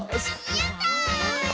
やった！